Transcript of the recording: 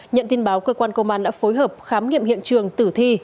nhận tin báo cơ quan công an đã phối hợp khám nghiệm hiện trường tử thi